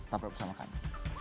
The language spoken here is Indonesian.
tampil bersama kami